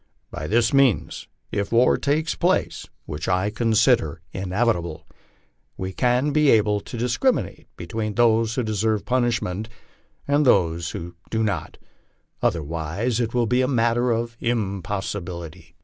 By this means, if war takes place which I consider inevitable we can be able to dis criminate between those who deserve punishment and those who do not; other wise it will be a matter of impossibility."